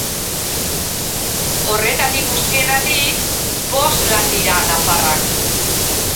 Horretatik guztietatik, bost lan dira nafarrak.